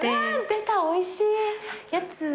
出たおいしいやつ。